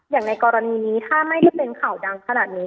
อย่างในกรณีนี้ถ้าไม่ได้เป็นข่าวดังขนาดนี้